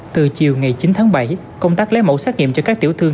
từ chiều ngày chín tháng bảy công tác lấy mẫu xét nghiệm cho các tiểu thương